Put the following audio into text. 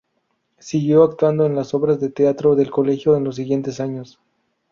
Siguió actuando en las obras de teatro del colegio en los siguientes años.